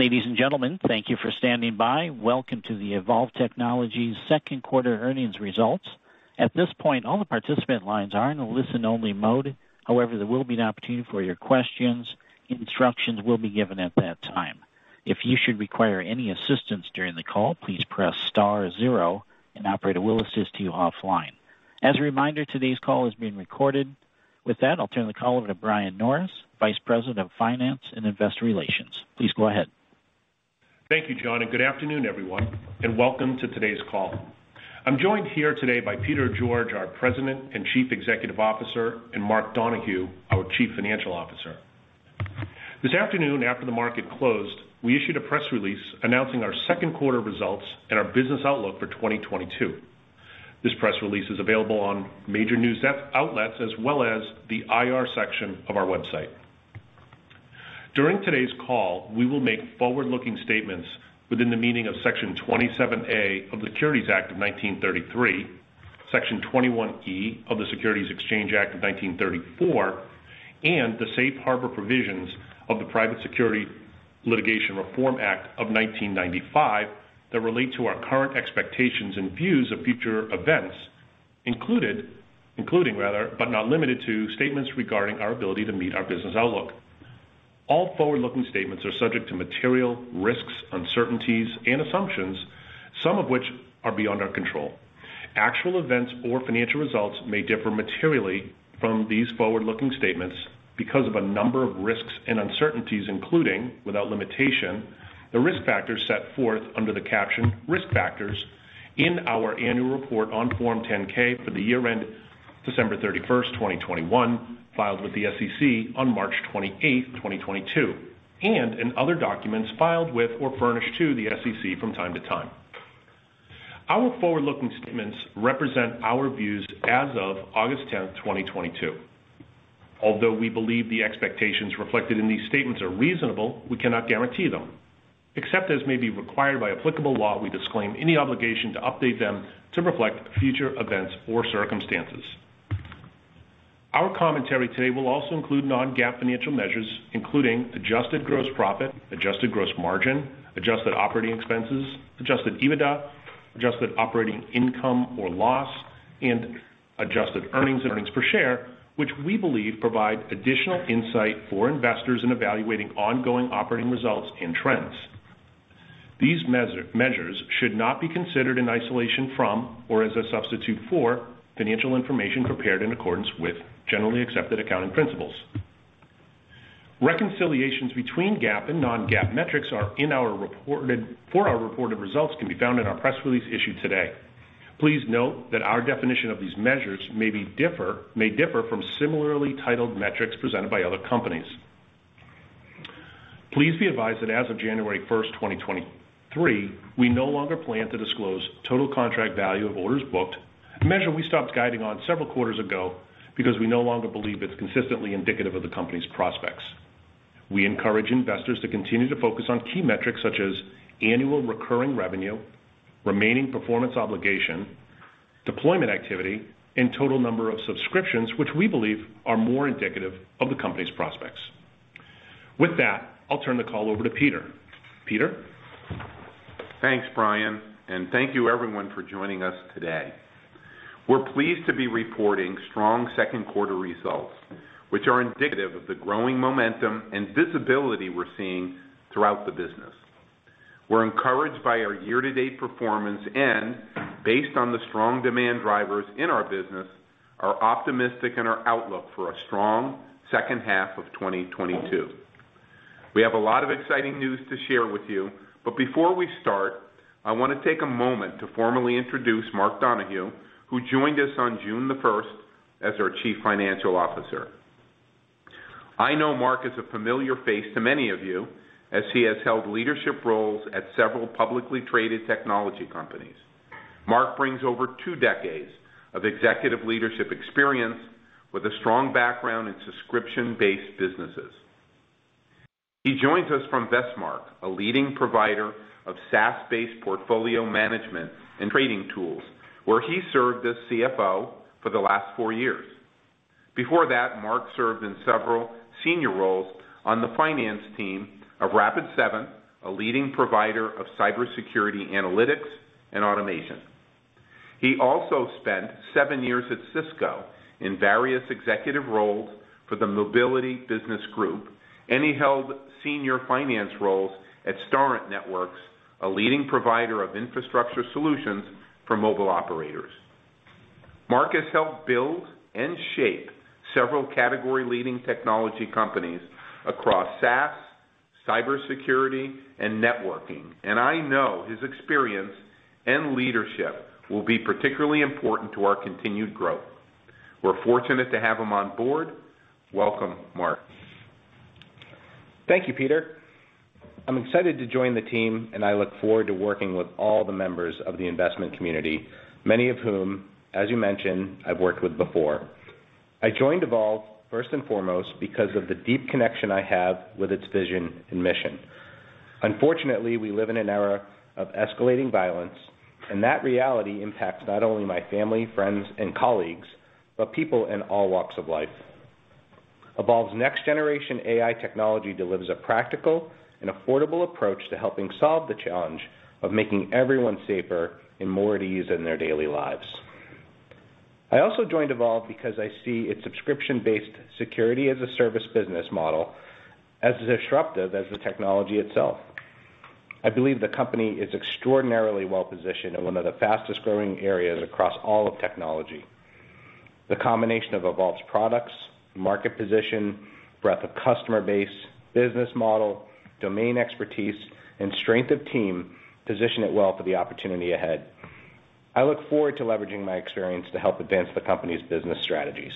Ladies and gentlemen, thank you for standing by. Welcome to the Evolv Technologies Q2 Earnings results. At this point, all the participant lines are in a listen-only mode. However, there will be an opportunity for your questions. Instructions will be given at that time. If you should require any assistance during the call, please press star zero and operator will assist you offline. As a reminder, today's call is being recorded. With that, I'll turn the call over to Brian Norris, Vice President of Finance and Investor Relations. Please go ahead. Thank you, John, and good afternoon, everyone, and welcome to today's call. I'm joined here today by Peter George, our President and Chief Executive Officer, and Mark Donohue, our Chief Financial Officer. This afternoon, after the market closed, we issued a press release announcing our Q2 results and our business outlook for 2022. This press release is available on major news outlets as well as the IR section of our website. During today's call, we will make forward-looking statements within the meaning of Section 27A of the Securities Act of 1933, Section 21E of the Securities Exchange Act of 1934, and the safe harbor provisions of the Private Securities Litigation Reform Act of 1995 that relate to our current expectations and views of future events, including, rather, but not limited to, statements regarding our ability to meet our business outlook. All forward-looking statements are subject to material risks, uncertainties and assumptions, some of which are beyond our control. Actual events or financial results may differ materially from these forward-looking statements because of a number of risks and uncertainties, including, without limitation, the risk factors set forth under the caption Risk Factors in our annual report on Form 10-K for the year ended December 31st, 2021, filed with the SEC on March 28th, 2022, and in other documents filed with or furnished to the SEC from time to time. Our forward-looking statements represent our views as of August 10th, 2022. Although we believe the expectations reflected in these statements are reasonable, we cannot guarantee them. Except as may be required by applicable law, we disclaim any obligation to update them to reflect future events or circumstances. Our commentary today will also include non-GAAP financial measures, including adjusted gross profit, adjusted gross margin, adjusted operating expenses, adjusted EBITDA, adjusted operating income or loss, and adjusted earnings and earnings per share, which we believe provide additional insight for investors in evaluating ongoing operating results and trends. These measures should not be considered in isolation from or as a substitute for financial information prepared in accordance with generally accepted accounting principles. Reconciliations between GAAP and non-GAAP metrics for our reported results can be found in our press release issued today. Please note that our definition of these measures may differ from similarly titled metrics presented by other companies. Please be advised that as of January 1st, 2023, we no longer plan to disclose total contract value of orders booked, a measure we stopped guiding on several quarters ago because we no longer believe it's consistently indicative of the company's prospects. We encourage investors to continue to focus on key metrics such as annual recurring revenue, remaining performance obligation, deployment activity, and total number of subscriptions, which we believe are more indicative of the company's prospects. With that, I'll turn the call over to Peter. Peter? Thanks, Brian, and thank you everyone for joining us today. We're pleased to be reporting strong Q2 results, which are indicative of the growing momentum and visibility we're seeing throughout the business. We're encouraged by our year-to-date performance and, based on the strong demand drivers in our business, are optimistic in our outlook for a strong H2 of 2022. We have a lot of exciting news to share with you, but before we start, I wanna take a moment to formally introduce Mark Donohue, who joined us on June the 1st as our Chief Financial Officer. I know Mark is a familiar face to many of you as he has held leadership roles at several publicly traded technology companies. Mark brings over two decades of executive leadership experience with a strong background in subscription-based businesses. He joins us from Vestmark, a leading provider of SaaS-based portfolio management and trading tools, where he served as CFO for the last four years. Before that, Mark served in several senior roles on the finance team of Rapid7, a leading provider of cybersecurity analytics and automation. He also spent seven years at Cisco in various executive roles for the Mobility Business Group, and he held senior finance roles at Starent Networks, a leading provider of infrastructure solutions for mobile operators. Mark has helped build and shape several category-leading technology companies across SaaS, cybersecurity, and networking, and I know his experience and leadership will be particularly important to our continued growth. We're fortunate to have him on board. Welcome, Mark. Thank you, Peter. I'm excited to join the team, and I look forward to working with all the members of the investment community, many of whom, as you mentioned, I've worked with before. I joined Evolv first and foremost because of the deep connection I have with its vision and mission. Unfortunately, we live in an era of escalating violence, and that reality impacts not only my family, friends, and colleagues, but people in all walks of life. Evolv's next generation AI technology delivers a practical and affordable approach to helping solve the challenge of making everyone safer and more at ease in their daily lives. I also joined Evolv because I see its subscription-based security as a service business model, as disruptive as the technology itself. I believe the company is extraordinarily well-positioned in one of the fastest-growing areas across all of technology. The combination of Evolv's products, market position, breadth of customer base, business model, domain expertise, and strength of team position it well for the opportunity ahead. I look forward to leveraging my experience to help advance the company's business strategies.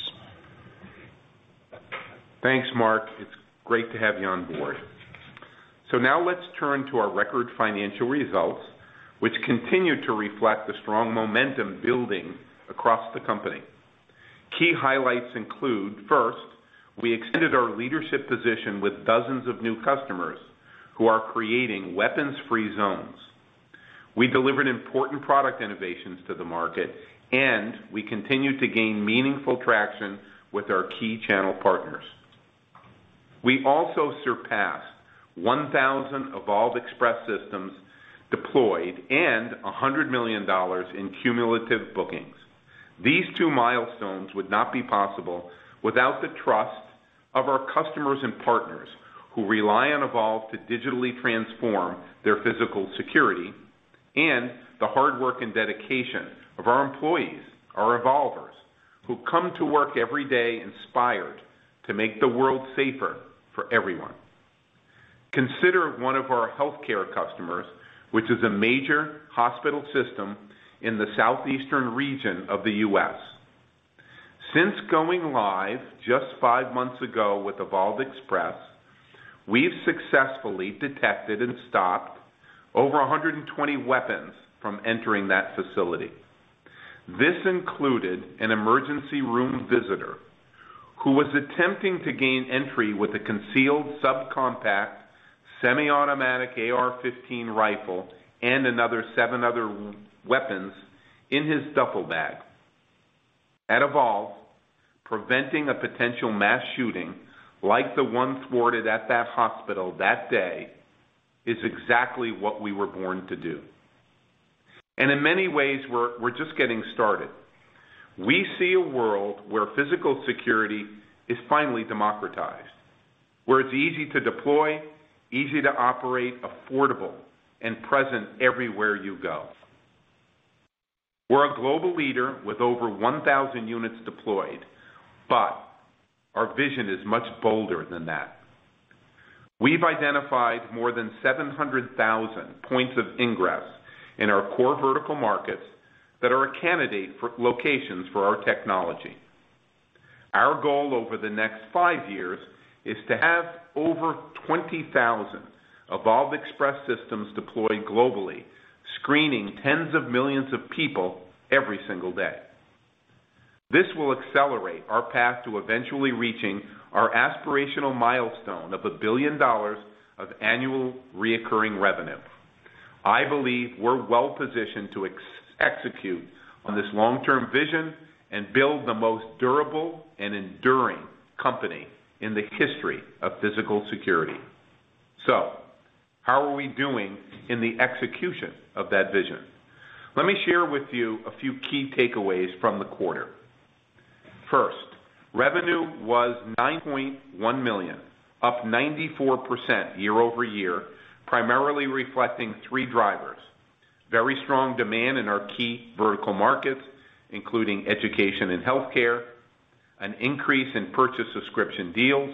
Thanks, Mark. It's great to have you on board. Now let's turn to our record financial results, which continue to reflect the strong momentum building across the company. Key highlights include, first, we extended our leadership position with dozens of new customers who are creating weapons-free zones. We delivered important product innovations to the market, and we continued to gain meaningful traction with our key channel partners. We also surpassed 1,000 Evolv Express Systems deployed and $100 million in cumulative bookings. These two milestones would not be possible without the trust of our customers and partners who rely on Evolv to digitally transform their physical security and the hard work and dedication of our employees, our Evolvers, who come to work every day inspired to make the world safer for everyone. Consider one of our healthcare customers, which is a major hospital system in the southeastern region of the U.S. Since going live just five months ago with Evolv Express, we've successfully detected and stopped over 120 weapons from entering that facility. This included an emergency room visitor who was attempting to gain entry with a concealed subcompact semiautomatic AR-15 rifle and another seven weapons in his duffel bag. At Evolv, preventing a potential mass shooting like the one thwarted at that hospital that day is exactly what we were born to do. In many ways, we're just getting started. We see a world where physical security is finally democratized, where it's easy to deploy, easy to operate, affordable and present everywhere you go. We're a global leader with over 1,000 units deployed, but our vision is much bolder than that. We've identified more than 700,000 points of ingress in our core vertical markets that are a candidate for locations for our technology. Our goal over the next five years is to have over 20,000 Evolv Express Systems deployed globally, screening tens of millions of people every single day. This will accelerate our path to eventually reaching our aspirational milestone of $1 billion of annual recurring revenue. I believe we're well-positioned to execute on this long-term vision and build the most durable and enduring company in the history of physical security. How are we doing in the execution of that vision? Let me share with you a few key takeaways from the quarter. First, revenue was $9.1 million, up 94% year-over-year, primarily reflecting three drivers, very strong demand in our key vertical markets, including education and healthcare, an increase in purchased subscription deals,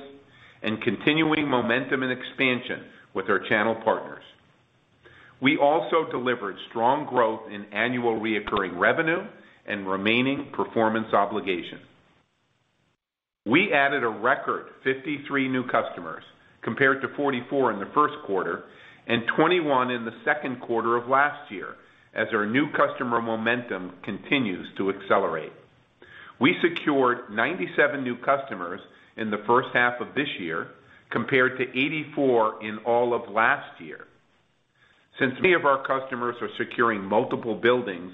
and continuing momentum and expansion with our channel partners. We also delivered strong growth in annual recurring revenue and remaining performance obligations. We added a record 53 new customers compared to 44 in the Q1 and 21 in the Q2 of last year as our new customer momentum continues to accelerate. We secured 97 new customers in the H1 of this year, compared to 84 in all of last year. Since many of our customers are securing multiple buildings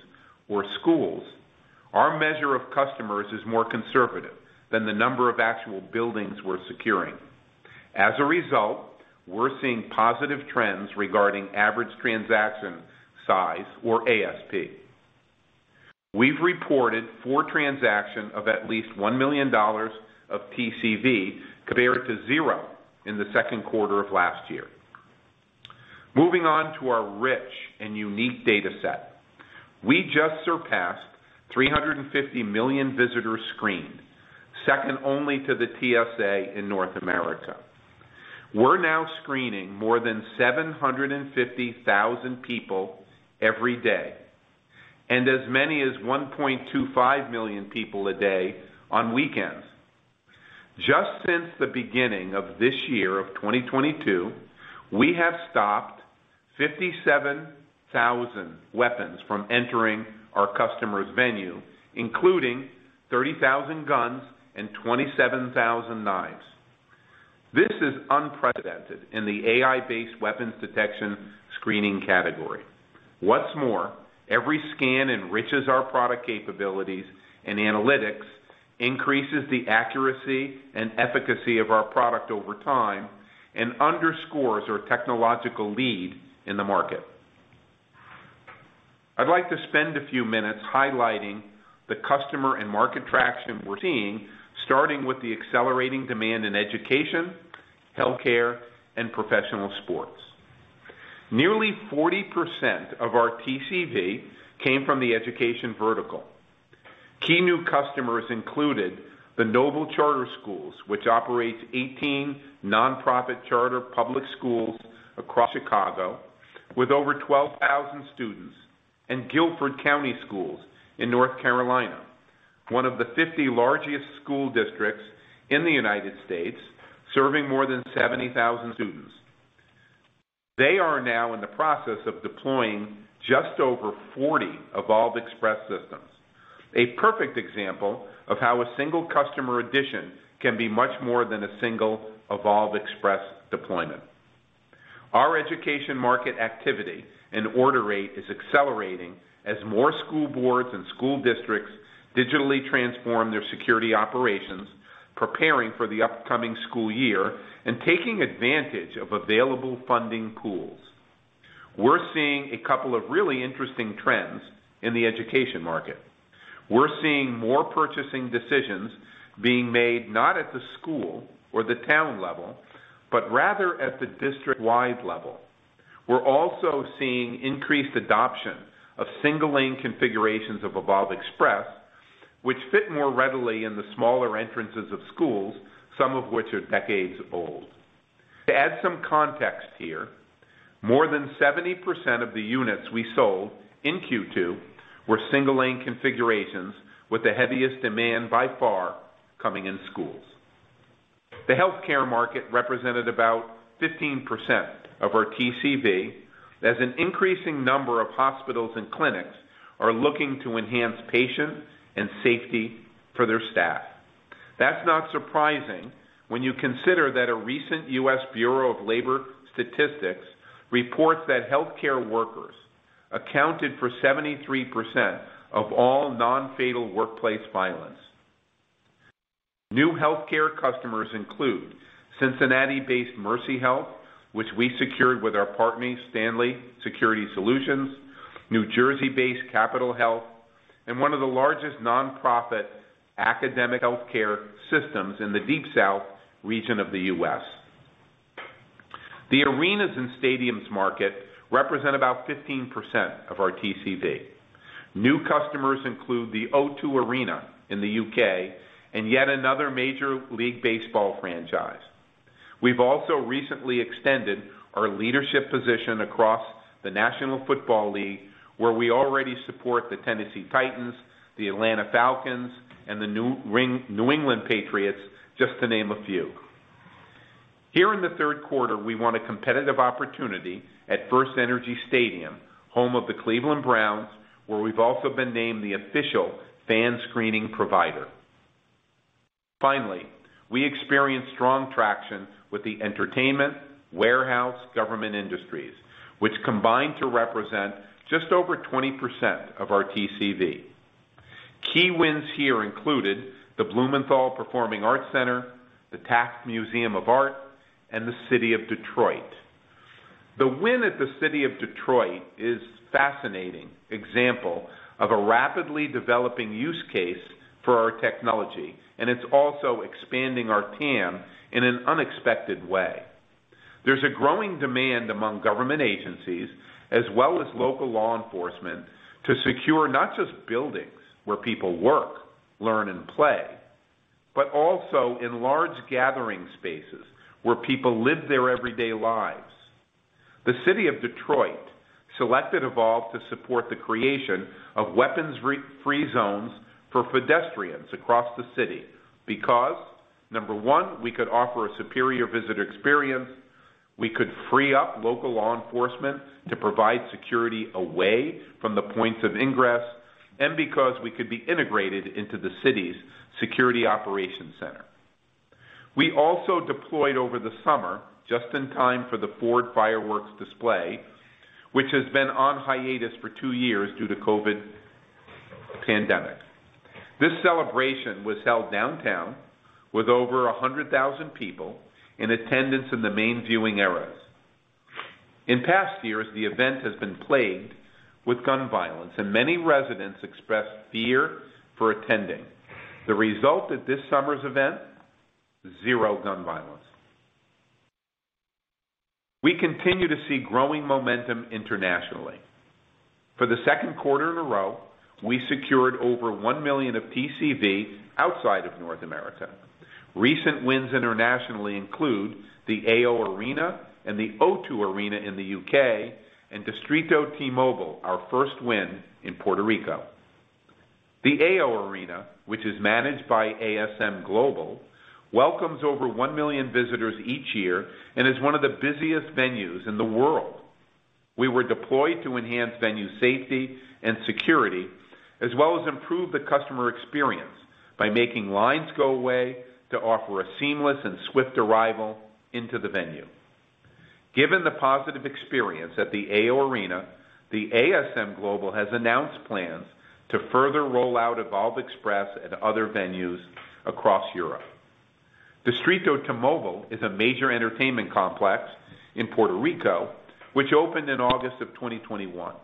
or schools, our measure of customers is more conservative than the number of actual buildings we're securing. As a result, we're seeing positive trends regarding average transaction size or ASP. We've reported four transactions of at least $1 million of TCV compared to zero in the Q2 of last year. Moving on to our rich and unique data set. We just surpassed 350 million visitors screened, second only to the TSA in North America. We're now screening more than 750,000 people every day, and as many as 1.25 million people a day on weekends. Just since the beginning of this year of 2022, we have stopped 57,000 weapons from entering our customers' venue, including 30,000 guns and 27,000 knives. This is unprecedented in the AI-based weapons detection screening category. What's more, every scan enriches our product capabilities and analytics, increases the accuracy and efficacy of our product over time, and underscores our technological lead in the market. I'd like to spend a few minutes highlighting the customer and market traction we're seeing, starting with the accelerating demand in education, healthcare, and professional sports. Nearly 40% of our TCV came from the education vertical. Key new customers included the Noble Network of Charter Schools, which operates 18 nonprofit charter public schools across Chicago with over 12,000 students, and Guilford County Schools in North Carolina, one of the 50 largest school districts in the United States, serving more than 70,000 students. They are now in the process of deploying just over 40 Evolv Express Systems. A perfect example of how a single customer addition can be much more than a single Evolv Express deployment. Our education market activity and order rate is accelerating as more school boards and school districts digitally transform their security operations, preparing for the upcoming school year and taking advantage of available funding pools. We're seeing a couple of really interesting trends in the education market. We're seeing more purchasing decisions being made, not at the school or the town level, but rather at the district-wide level. We're also seeing increased adoption of single lane configurations of Evolv Express, which fit more readily in the smaller entrances of schools, some of which are decades old. To add some context here, more than 70% of the units we sold in Q2 were single lane configurations with the heaviest demand by far coming in schools. The healthcare market represented about 15% of our TCV as an increasing number of hospitals and clinics are looking to enhance patient safety for their staff. That's not surprising when you consider that a recent U.S. Bureau of Labor Statistics report that healthcare workers accounted for 73% of all non-fatal workplace violence. New healthcare customers include Cincinnati-based Mercy Health, which we secured with our partner, Stanley Security, New Jersey-based Capital Health, and one of the largest nonprofit academic healthcare systems in the Deep South region of the U.S. The arenas and stadiums market represent about 15% of our TCV. New customers include the O2 Arena in the U.K. and yet another Major League Baseball franchise. We've also recently extended our leadership position across the National Football League, where we already support the Tennessee Titans, the Atlanta Falcons, and the New England Patriots, just to name a few. Here in the Q3, we won a competitive opportunity at FirstEnergy Stadium, home of the Cleveland Browns, where we've also been named the official fan screening provider. Finally, we experienced strong traction with the entertainment, warehouse, government industries, which combined to represent just over 20% of our TCV. Key wins here included the Blumenthal Performing Arts Center, the Taft Museum of Art, and the City of Detroit. The win at the City of Detroit is a fascinating example of a rapidly developing use case for our technology, and it's also expanding our TAM in an unexpected way. There's a growing demand among government agencies as well as local law enforcement to secure not just buildings where people work, learn, and play, but also in large gathering spaces where people live their everyday lives. The City of Detroit selected Evolv to support the creation of weapon-free zones for pedestrians across the city because, number one, we could offer a superior visitor experience, we could free up local law enforcement to provide security away from the points of ingress, and because we could be integrated into the city's security operations center. We also deployed over the summer, just in time for the Ford fireworks display, which has been on hiatus for two years due to COVID pandemic. This celebration was held downtown with over 100,000 people in attendance in the main viewing areas. In past years, the event has been plagued with gun violence, and many residents expressed fear for attending. The result at this summer's event, zero gun violence. We continue to see growing momentum internationally. For the Q2 in a row, we secured over $1 million of TCV outside of North America. Recent wins internationally include the AO Arena and the O2 Arena in the UK and Distrito T-Mobile, our first win in Puerto Rico. The AO Arena, which is managed by ASM Global, welcomes over 1 million visitors each year and is one of the busiest venues in the world. We were deployed to enhance venue safety and security, as well as improve the customer experience by making lines go away to offer a seamless and swift arrival into the venue. Given the positive experience at the AO Arena, ASM Global has announced plans to further roll out Evolv Express at other venues across Europe. Distrito T-Mobile is a major entertainment complex in Puerto Rico, which opened in August of 2021.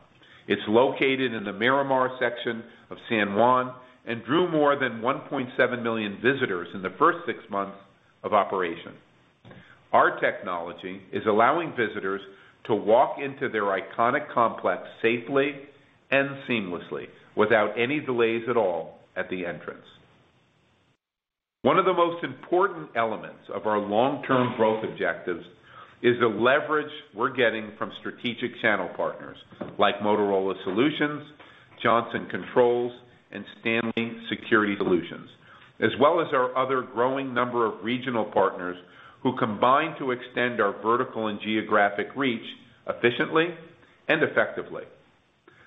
It's located in the Miramar section of San Juan and drew more than 1.7 million visitors in the first six months of operation. Our technology is allowing visitors to walk into their iconic complex safely and seamlessly without any delays at all at the entrance. One of the most important elements of our long-term growth objectives is the leverage we're getting from strategic channel partners like Motorola Solutions, Johnson Controls, and Stanley Security, as well as our other growing number of regional partners who combine to extend our vertical and geographic reach efficiently and effectively.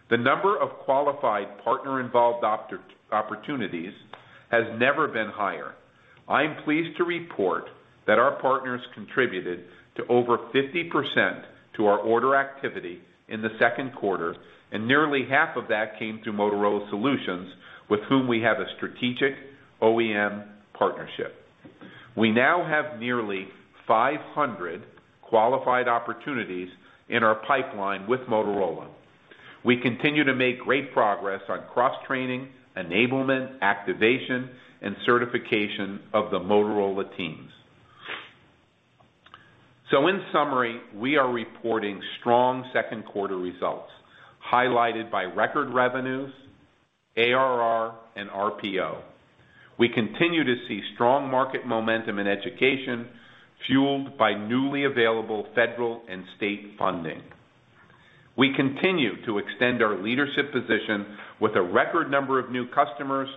The number of qualified partner-involved opportunities has never been higher. I'm pleased to report that our partners contributed to over 50% to our order activity in the Q2, and nearly half of that came through Motorola Solutions with whom we have a strategic OEM partnership. We now have nearly 500 qualified opportunities in our pipeline with Motorola. We continue to make great progress on cross-training, enablement, activation, and certification of the Motorola teams. In summary, we are reporting strong Q2 results, highlighted by record revenues, ARR, and RPO. We continue to see strong market momentum in education fueled by newly available federal and state funding. We continue to extend our leadership position with a record number of new customers,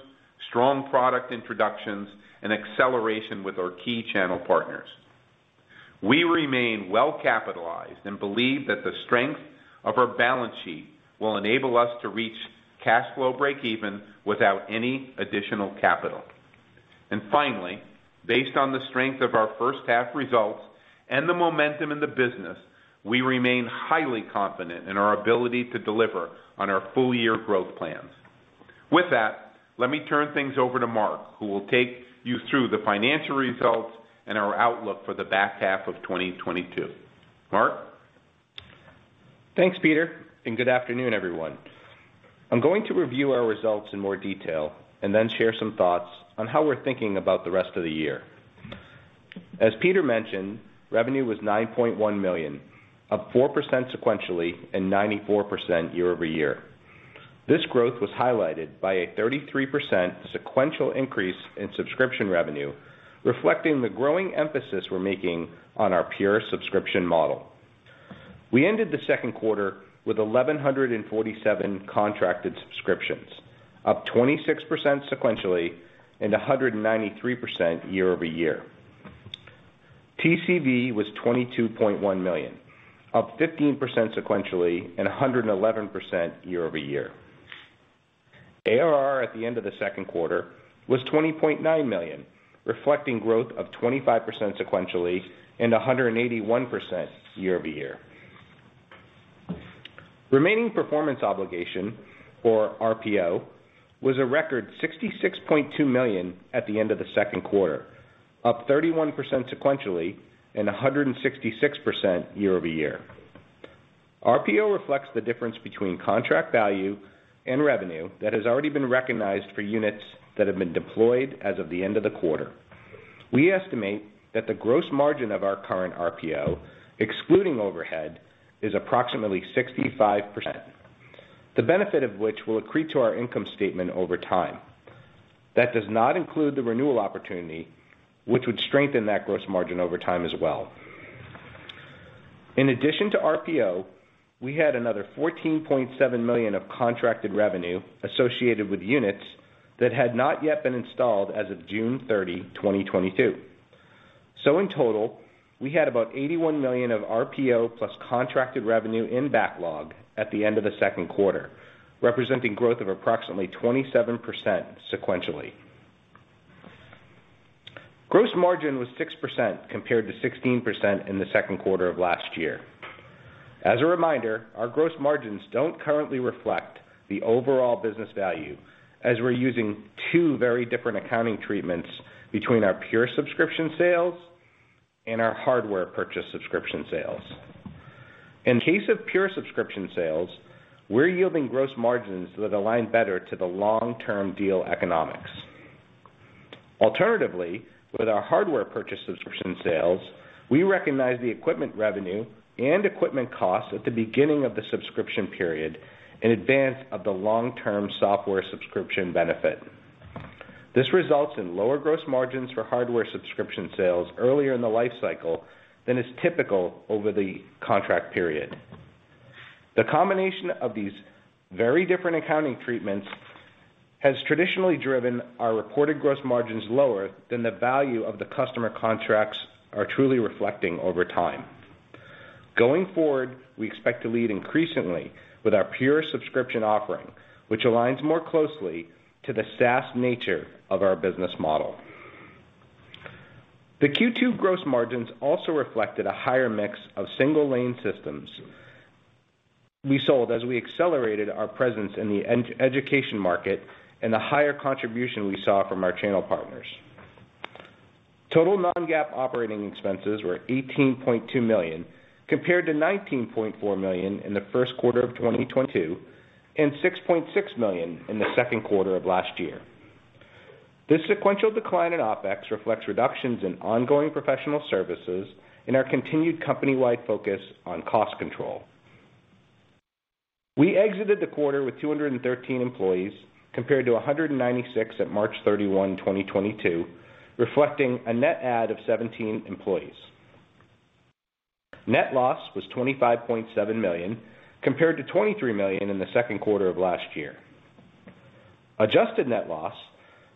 strong product introductions, and acceleration with our key channel partners. We remain well capitalized and believe that the strength of our balance sheet will enable us to reach cash flow breakeven without any additional capital. Finally, based on the strength of our H1 results and the momentum in the business, we remain highly confident in our ability to deliver on our full year growth plans. With that, let me turn things over to Mark, who will take you through the financial results and our outlook for the back half of 2022. Mark. Thanks, Peter, and good afternoon, everyone. I'm going to review our results in more detail and then share some thoughts on how we're thinking about the rest of the year. As Peter mentioned, revenue was $9.1 million, up 4% sequentially and 94% year-over-year. This growth was highlighted by a 33% sequential increase in subscription revenue, reflecting the growing emphasis we're making on our pure subscription model. We ended the Q2 with 1,147 contracted subscriptions, up 26% sequentially and 193% year-over-year. TCV was $22.1 million, up 15% sequentially and 111% year-over-year. ARR at the end of the Q2 was $20.9 million, reflecting growth of 25% sequentially and 181% year-over-year. Remaining performance obligation, or RPO, was a record $66.2 million at the end of the Q2, up 31% sequentially and 166% year-over-year. RPO reflects the difference between contract value and revenue that has already been recognized for units that have been deployed as of the end of the quarter. We estimate that the gross margin of our current RPO, excluding overhead, is approximately 65%, the benefit of which will accrete to our income statement over time. That does not include the renewal opportunity, which would strengthen that gross margin over time as well. In addition to RPO, we had another $14.7 million of contracted revenue associated with units that had not yet been installed as of June 30, 2022. In total, we had about $81 million of RPO plus contracted revenue in backlog at the end of the Q2 representing growth of approximately 27% sequentially. Gross margin was 6% compared to 16% in the Q2 of last year. As a reminder, our gross margins don't currently reflect the overall business value as we're using two very different accounting treatments between our pure subscription sales and our hardware purchase subscription sales. In case of pure subscription sales, we're yielding gross margins that align better to the long-term deal economics. Alternatively, with our hardware purchase subscription sales, we recognize the equipment revenue and equipment costs at the beginning of the subscription period in advance of the long-term software subscription benefit. This results in lower gross margins for hardware subscription sales earlier in the life cycle than is typical over the contract period. The combination of these very different accounting treatments has traditionally driven our reported gross margins lower than the value of the customer contracts are truly reflecting over time. Going forward, we expect to lead increasingly with our pure subscription offering, which aligns more closely to the SaaS nature of our business model. The Q2 gross margins also reflected a higher mix of single lane systems we sold as we accelerated our presence in the education market and the higher contribution we saw from our channel partners. Total non-GAAP operating expenses were $18.2 million, compared to $19.4 million in the Q1 of 2022, and $6.6 million in the Q2 of last year. This sequential decline in OpEx reflects reductions in ongoing professional services and our continued company-wide focus on cost control. We exited the quarter with 213 employees, compared to 196 at March 31, 2022, reflecting a net add of 17 employees. Net loss was $25.7 million, compared to $23 million in the Q2 of last year. Adjusted net loss,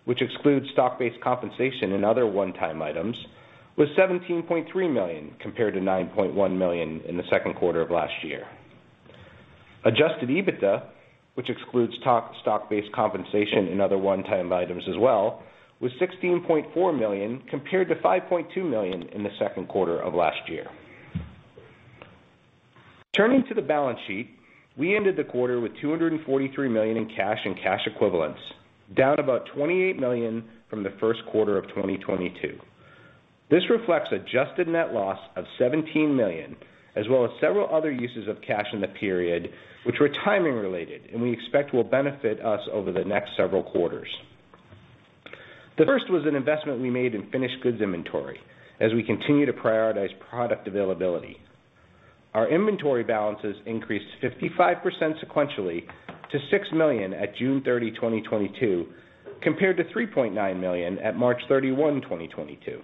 which excludes stock-based compensation and other one-time items, was $17.3 million, compared to $9.1 million in the Q2 of last year. Adjusted EBITDA, which excludes stock-based compensation and other one-time items as well, was $16.4 million, compared to $5.2 million in the Q2 of last year. Turning to the balance sheet, we ended the quarter with $243 million in cash and cash equivalents, down about $28 million from the Q1 of 2022. This reflects adjusted net loss of $17 million, as well as several other uses of cash in the period, which were timing related, and we expect will benefit us over the next several quarters. The first was an investment we made in finished goods inventory as we continue to prioritize product availability. Our inventory balances increased 55% sequentially to $6 million at June 30, 2022, compared to $3.9 million at March 31, 2022.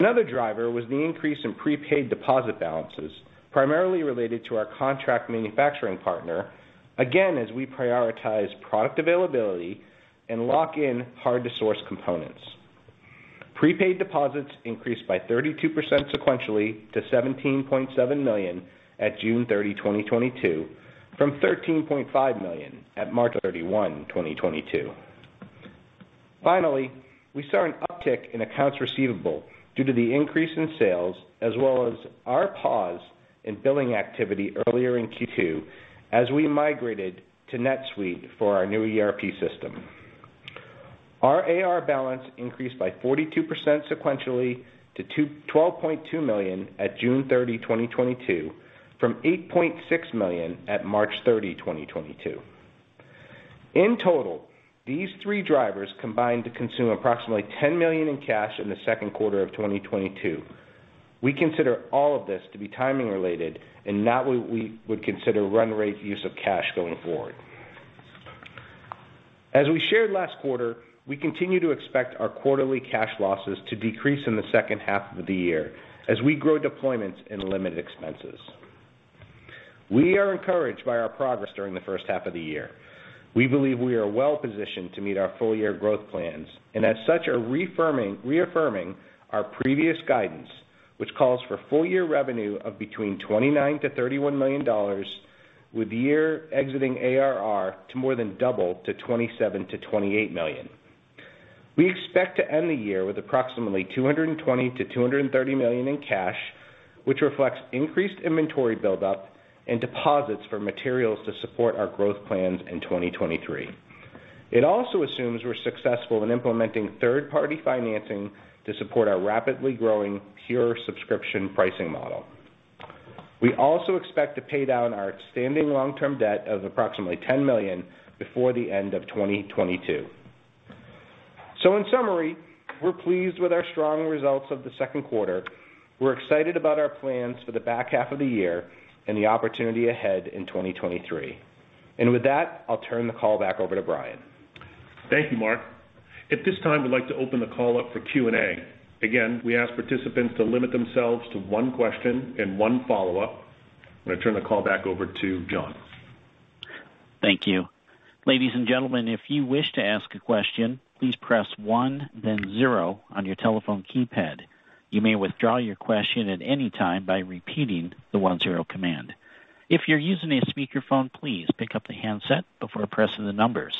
Another driver was the increase in prepaid deposit balances, primarily related to our contract manufacturing partner, again, as we prioritize product availability and lock in hard to source components. Prepaid deposits increased by 32% sequentially to $17.7 million at June 30, 2022, from $13.5 million at March 31, 2022. Finally, we saw an uptick in accounts receivable due to the increase in sales as well as our pause in billing activity earlier in Q2 as we migrated to NetSuite for our new ERP system. Our AR balance increased by 42% sequentially to $12.2 million on June 30, 2022, from $8.6 million on March 30, 2022. In total, these three drivers combined to consume approximately $10 million in cash in the Q2 of 2022. We consider all of this to be timing related and not what we would consider run rate use of cash going forward. As we shared last quarter, we continue to expect our quarterly cash losses to decrease in the H2 of the year as we grow deployments and limit expenses. We are encouraged by our progress during the H1 of the year. We believe we are well-positioned to meet our full year growth plans and as such are reaffirming our previous guidance, which calls for full year revenue of between $29 million-$31 million, with year exiting ARR to more than double to $27 million-$28 million. We expect to end the year with approximately $220 million-$230 million in cash, which reflects increased inventory buildup and deposits for materials to support our growth plans in 2023. It also assumes we're successful in implementing third-party financing to support our rapidly growing pure subscription pricing model. We also expect to pay down our outstanding long-term debt of approximately $10 million before the end of 2022. In summary, we're pleased with our strong results of the Q2. We're excited about our plans for the back half of the year and the opportunity ahead in 2023. With that, I'll turn the call back over to Brian. Thank you, Mark. At this time, we'd like to open the call up for Q&A. Again, we ask participants to limit themselves to one question and one follow-up. I'm gonna turn the call back over to John. Thank you. Ladies and gentlemen, if you wish to ask a question, please press one then zero on your telephone keypad. You may withdraw your question at any time by repeating the one zero command. If you're using a speakerphone, please pick up the handset before pressing the numbers.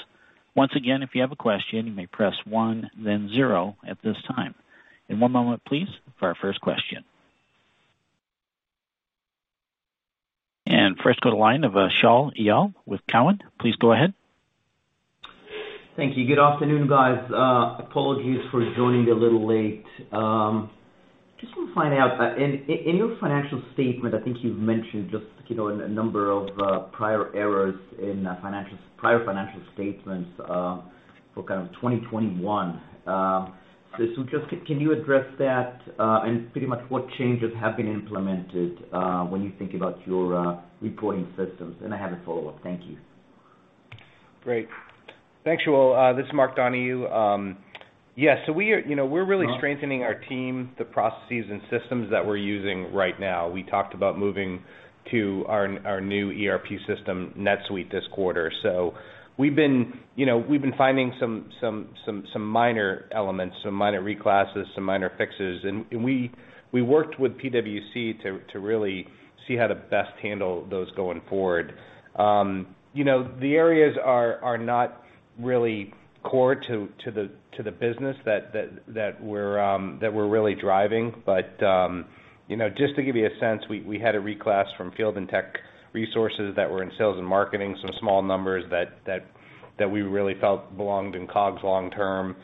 Once again, if you have a question, you may press one then zero at this time. One moment please for our first question. First, go to line of Shaul Eyal with Cowen. Please go ahead. Thank you. Good afternoon, guys. Apologies for joining a little late. Just want to find out in your financial statement. I think you've mentioned just, you know, a number of prior errors in prior financial statements for kind of 2021. Just can you address that and pretty much what changes have been implemented when you think about your reporting systems? I have a follow-up. Thank you. Great. Thanks, Shaul. This is Mark Donohue. Yes. We are, you know, we're really strengthening our team, the processes and systems that we're using right now. We talked about moving to our new ERP system, NetSuite, this quarter. We've been, you know, finding some minor elements, some minor reclasses, some minor fixes, and we worked with PwC to really see how to best handle those going forward. You know, the areas are not really core to the business that we're really driving. You know, just to give you a sense, we had a reclass from field and tech resources that were in sales and marketing, some small numbers that we really felt belonged in COGS long term.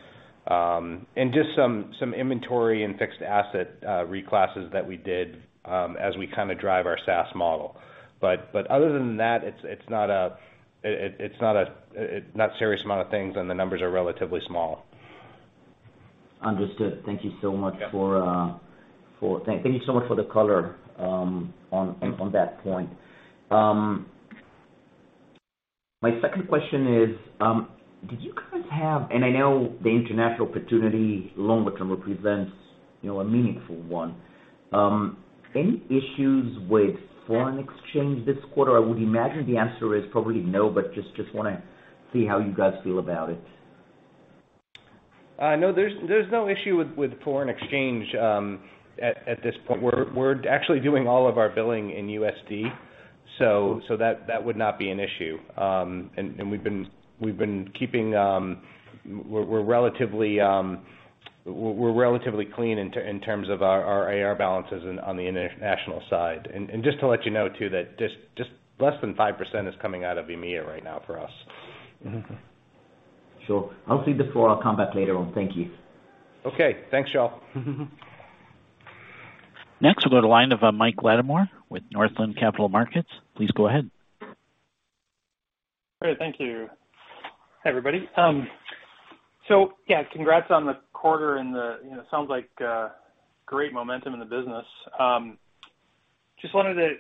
Just some inventory and fixed asset reclasses that we did as we kind of drive our SaaS model. Other than that, it's not a serious amount of things and the numbers are relatively small. Understood. Thank you so much for the color on that point. My second question is, I know the international opportunity longer term represents, you know, a meaningful one. Any issues with foreign exchange this quarter? I would imagine the answer is probably no, but just wanna see how you guys feel about it. No. There's no issue with foreign exchange at this point. We're actually doing all of our billing in USD, so that would not be an issue. We've been keeping. We're relatively clean in terms of our AR balances on the international side. Just to let you know too that just less than 5% is coming out of EMEA right now for us. Sure. I'll cede the floor. I'll come back later on. Thank you. Okay. Thanks, y'all. Next, we'll go to the line of Mike Latimore with Northland Capital Markets. Please go ahead. Great. Thank you. Hi, everybody. Yeah, congrats on the quarter and the, you know, sounds like great momentum in the business. Just wanted to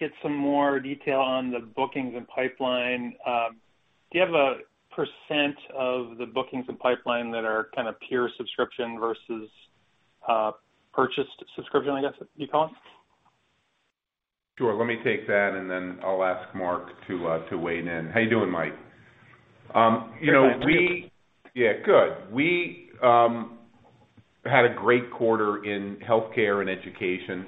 get some more detail on the bookings and pipeline. Do you have a percent of the bookings and pipeline that are kind of pure subscription versus purchased subscription, I guess, you call it? Sure. Let me take that, and then I'll ask Mark to weigh in. How you doing, Mike? You know, we Good. Yeah, good. We had a great quarter in healthcare and education.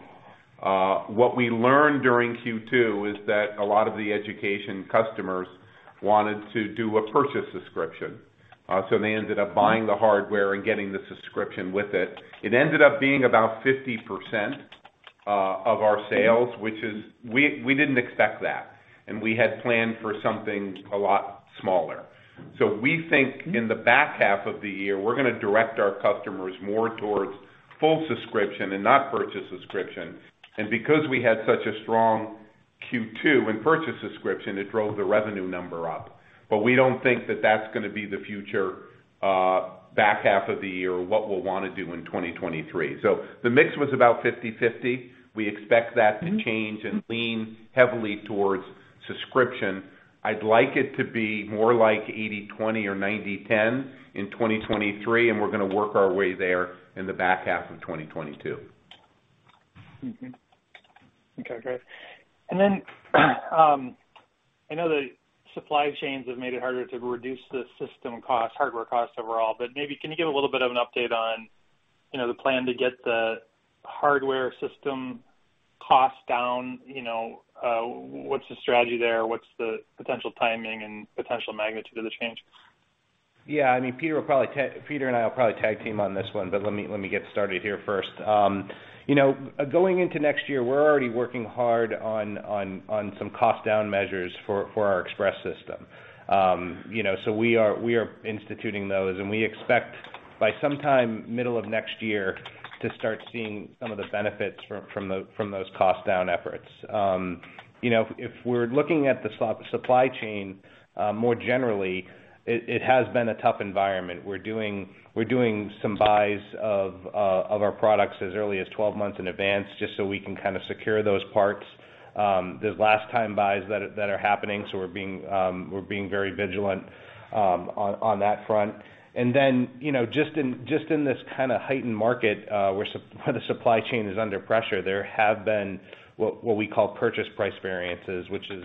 What we learned during Q2 is that a lot of the education customers wanted to do a purchase subscription. They ended up buying the hardware and getting the subscription with it. It ended up being about 50% of our sales, which we didn't expect that, and we had planned for something a lot smaller. We think in the back half of the year, we're gonna direct our customers more towards full subscription and not purchase subscription. Because we had such a strong Q2 in purchase subscription, it drove the revenue number up. We don't think that that's gonna be the future back half of the year, what we'll wanna do in 2023. The mix was about 50/50. We expect that to change and lean heavily towards subscription. I'd like it to be more like 80/20 or 90/10 in 2023, and we're gonna work our way there in the back half of 2022. Mm-hmm. Okay, great. I know the supply chains have made it harder to reduce the system cost, hardware costs overall, but maybe can you give a little bit of an update on, you know, the plan to get the hardware system costs down? You know, what's the strategy there? What's the potential timing and potential magnitude of the change? Yeah. I mean, Peter and I will probably tag team on this one, but let me get started here first. You know, going into next year, we're already working hard on some cost down measures for our Express System. You know, so we are instituting those, and we expect by sometime middle of next year to start seeing some of the benefits from those cost down efforts. You know, if we're looking at the supply chain more generally, it has been a tough environment. We're doing some buys of our products as early as 12 months in advance just so we can kind of secure those parts, the last time buys that are happening, so we're being very vigilant on that front. You know, just in this kinda heightened market where the supply chain is under pressure, there have been what we call purchase price variances, which is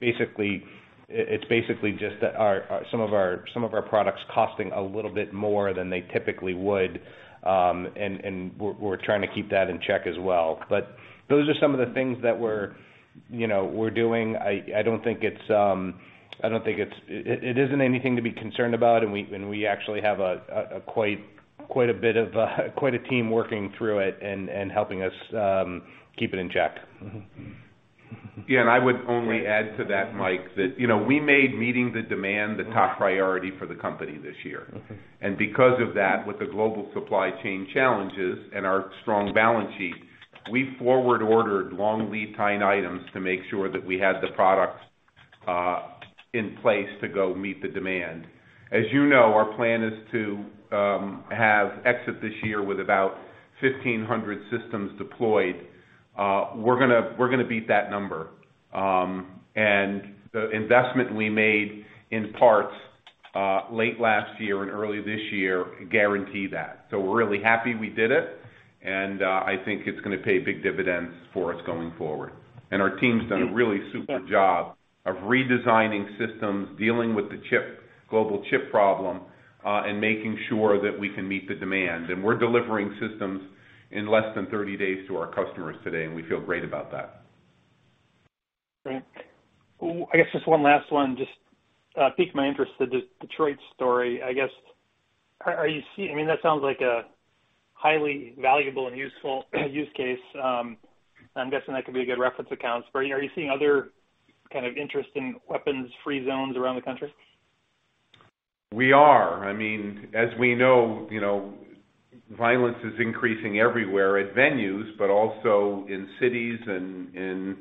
basically. It's basically just that some of our products costing a little bit more than they typically would, and we're trying to keep that in check as well. Those are some of the things that we're doing. I don't think it's. It isn't anything to be concerned about, and we actually have quite a bit of a team working through it and helping us keep it in check. I would only add to that, Mike, that, you know, we made meeting the demand the top priority for the company this year. Okay. Because of that, with the global supply chain challenges and our strong balance sheet, we forward ordered long lead time items to make sure that we had the products in place to go meet the demand. As you know, our plan is to have exit this year with about 1,500 systems deployed. We're gonna beat that number. The investment we made in parts late last year and early this year guarantee that. We're really happy we did it, and I think it's gonna pay big dividends for us going forward. Our team's done a really super job of redesigning systems, dealing with the global chip problem, and making sure that we can meet the demand. We're delivering systems in less than 30 days to our customers today, and we feel great about that. Great. I guess just one last one. Just, piqued my interest, the Detroit story. I guess, I mean, that sounds like a highly valuable and useful use case. I'm guessing that could be a good reference account. But are you seeing other kind of interest in weapons-free zones around the country? We are. I mean, as we know, you know, violence is increasing everywhere at venues, but also in cities and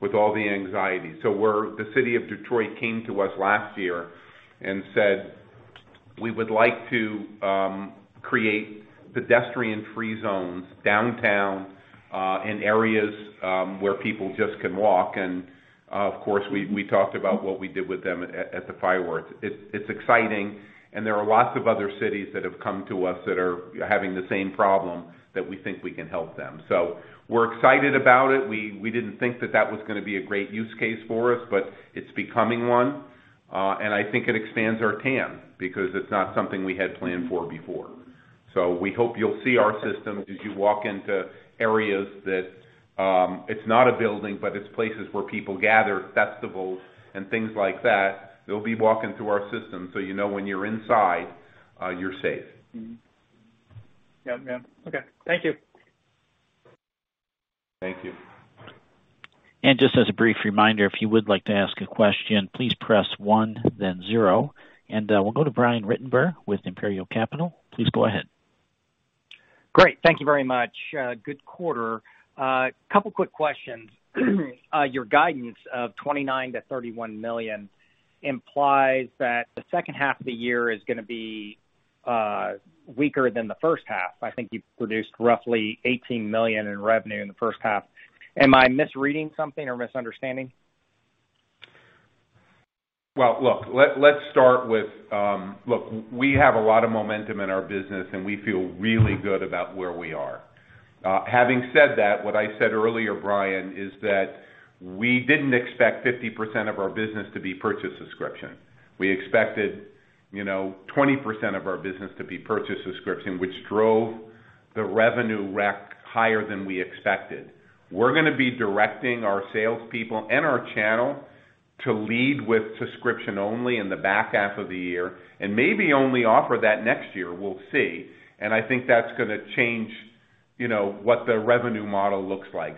with all the anxiety. The City of Detroit came to us last year and said, "We would like to create pedestrian free zones downtown in areas where people just can walk." Of course, we talked about what we did with them at the fireworks. It's exciting, and there are lots of other cities that have come to us that are having the same problem that we think we can help them. We're excited about it. We didn't think that was gonna be a great use case for us, but it's becoming one. I think it expands our TAM because it's not something we had planned for before. We hope you'll see our systems as you walk into areas that, it's not a building, but it's places where people gather, festivals and things like that. They'll be walking through our system, so you know when you're inside, you're safe. Mm-hmm. Yep. Yeah. Okay. Thank you. Thank you. Just as a brief reminder, if you would like to ask a question, please press one then zero. We'll go to Brian Ruttenbur with Imperial Capital. Please go ahead. Great. Thank you very much. Good quarter. Couple quick questions. Your guidance of $29 million-$31 million implies that the H2 of the year is gonna be weaker than the H1. I think you produced roughly $18 million in revenue in the H1. Am I misreading something or misunderstanding? We have a lot of momentum in our business, and we feel really good about where we are. Having said that, what I said earlier, Brian, is that we didn't expect 50% of our business to be purchase subscription. We expected, you know, 20% of our business to be purchase subscription, which drove the revenue rec higher than we expected. We're gonna be directing our salespeople and our channel to lead with subscription only in the back half of the year, and maybe only offer that next year. We'll see. I think that's gonna change, you know, what the revenue model looks like.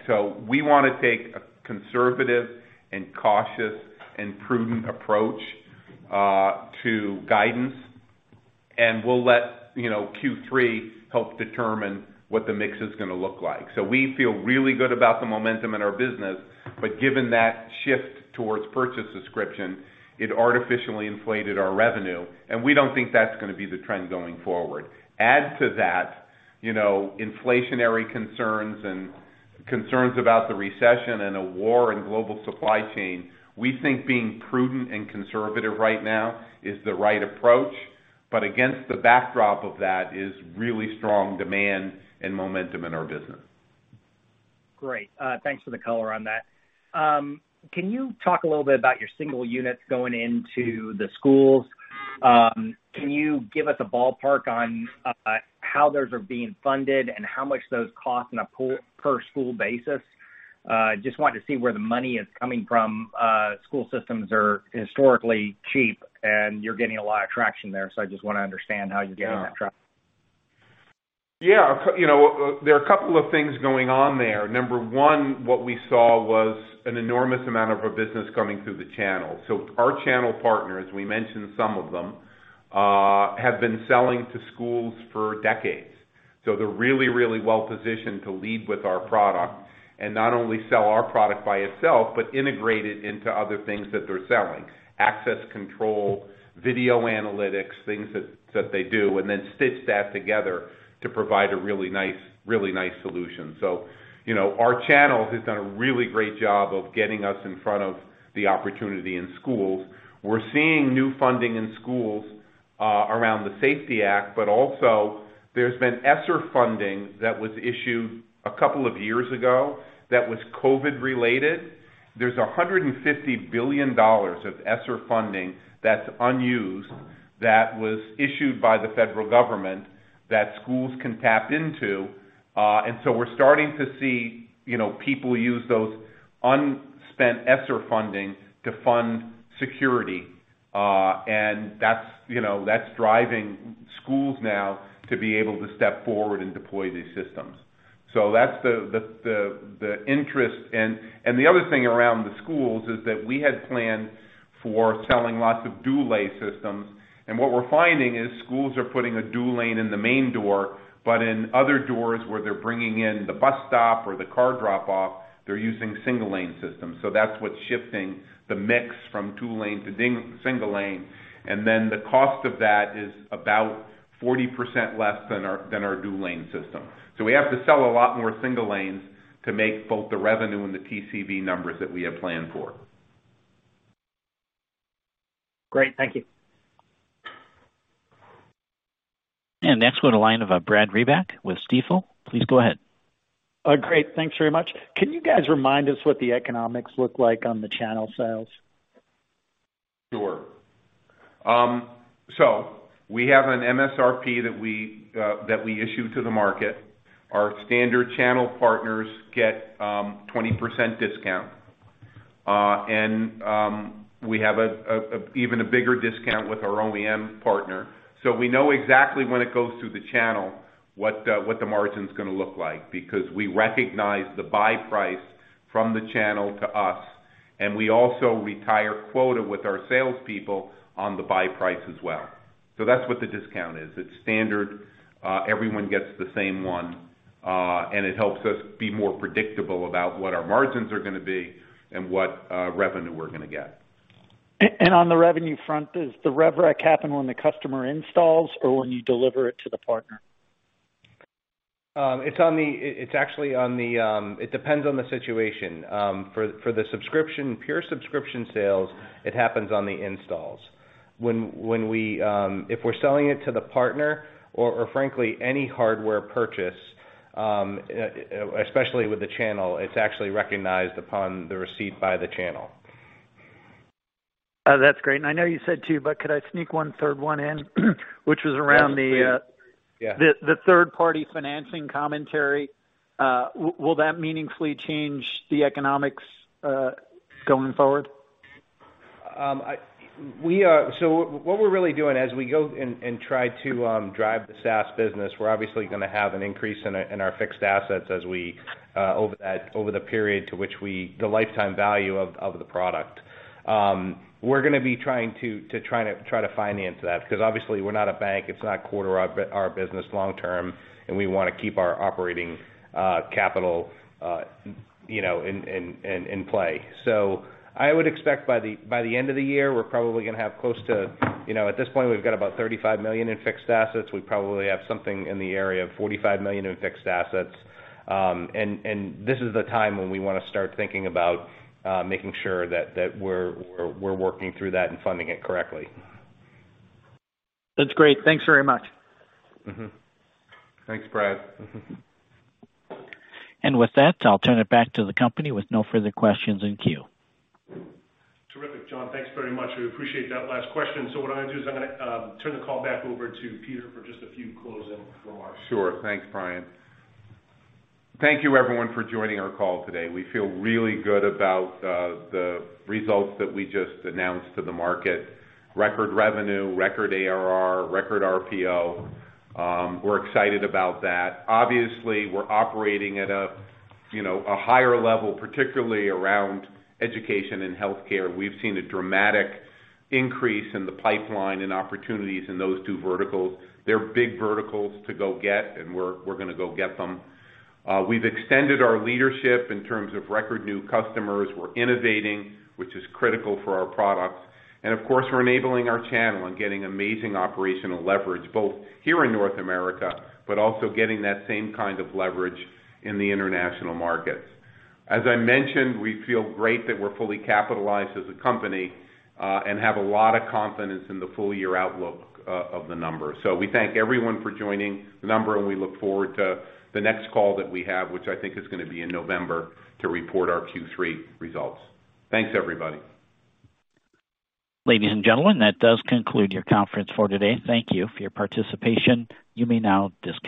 We wanna take a conservative and cautious and prudent approach to guidance, and we'll let Q3 help determine what the mix is gonna look like. We feel really good about the momentum in our business, but given that shift towards purchase subscription, it artificially inflated our revenue, and we don't think that's gonna be the trend going forward. Add to that, you know, inflationary concerns and concerns about the recession and a war and global supply chain. We think being prudent and conservative right now is the right approach, but against the backdrop of that is really strong demand and momentum in our business. Great. Thanks for the color on that. Can you talk a little bit about your single units going into the schools? Can you give us a ballpark on how those are being funded and how much those cost on a per school basis? Just want to see where the money is coming from. School systems are historically cheap, and you're getting a lot of traction there, so I just wanna understand how you're getting that traction. Yeah. You know, there are a couple of things going on there. Number one, what we saw was an enormous amount of our business coming through the channel. Our channel partners, we mentioned some of them, have been selling to schools for decades. They're really well positioned to lead with our product and not only sell our product by itself, but integrate it into other things that they're selling. Access control, video analytics, things that they do, and then stitch that together to provide a really nice solution. You know, our channels has done a really great job of getting us in front of the opportunity in schools. We're seeing new funding in schools around the Safety Act, but also there's been ESSER funding that was issued a couple of years ago that was COVID-related. There's $150 billion of ESSER funding that's unused that was issued by the federal government that schools can tap into. We're starting to see, you know, people use those unspent ESSER funding to fund security, and that's, you know, that's driving schools now to be able to step forward and deploy these systems. That's the interest. The other thing around the schools is that we had planned for selling lots of dual lane systems, and what we're finding is schools are putting a dual lane in the main door, but in other doors where they're bringing in the bus stop or the car drop-off, they're using single lane systems. That's what's shifting the mix from dual lane to single lane. The cost of that is about 40% less than our dual lane system. We have to sell a lot more single lanes to make both the revenue and the TCV numbers that we have planned for. Great. Thank you. Next we have a line of Brad Reback with Stifel. Please go ahead. Oh, great. Thanks very much. Can you guys remind us what the economics look like on the channel sales? Sure. We have an MSRP that we issue to the market. Our standard channel partners get 20% discount. We have a even bigger discount with our OEM partner. We know exactly when it goes through the channel what the margin's gonna look like, because we recognize the buy price from the channel to us, and we also retire quota with our salespeople on the buy price as well. That's what the discount is. It's standard. Everyone gets the same one, and it helps us be more predictable about what our margins are gonna be and what revenue we're gonna get. On the revenue front, does the rev rec happen when the customer installs or when you deliver it to the partner? It depends on the situation. For the subscription, pure subscription sales, it happens on the installs. When we if we're selling it to the partner or frankly, any hardware purchase, especially with the channel, it's actually recognized upon the receipt by the channel. That's great. I know you said two, but could I sneak one third one in which was around the Yeah, please. Yeah. The third party financing commentary. Will that meaningfully change the economics going forward? What we're really doing as we go and try to drive the SaaS business, we're obviously gonna have an increase in our fixed assets as we over the period to which the lifetime value of the product. We're gonna be trying to finance that because obviously we're not a bank, it's not core to our business long term, and we wanna keep our operating capital, you know, in play. I would expect by the end of the year, we're probably gonna have close to, you know, at this point, we've got about $35 million in fixed assets. We probably have something in the area of $45 million in fixed assets. This is the time when we wanna start thinking about making sure that we're working through that and funding it correctly. That's great. Thanks very much. Mm-hmm. Thanks, Brad. With that, I'll turn it back to the company with no further questions in queue. Terrific, John. Thanks very much. We appreciate that last question. What I'm gonna do is turn the call back over to Peter for just a few closing remarks. Sure. Thanks, Brian. Thank you, everyone, for joining our call today. We feel really good about the results that we just announced to the market. Record revenue, record ARR, record RPO. We're excited about that. Obviously, we're operating at a, you know, a higher level, particularly around education and healthcare. We've seen a dramatic increase in the pipeline and opportunities in those two verticals. They're big verticals to go get, and we're gonna go get them. We've extended our leadership in terms of record new customers. We're innovating, which is critical for our products. Of course, we're enabling our channel and getting amazing operational leverage, both here in North America, but also getting that same kind of leverage in the international markets. As I mentioned, we feel great that we're fully capitalized as a company and have a lot of confidence in the full year outlook of the numbers. We thank everyone for joining the call, and we look forward to the next call that we have, which I think is gonna be in November to report our Q3 results. Thanks, everybody. Ladies and gentlemen, that does conclude your conference for today. Thank you for your participation. You may now disconnect.